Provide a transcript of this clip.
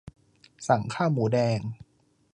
สั่งข้าวหมูแดง